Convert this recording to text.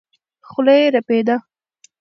خوله يې رپېده.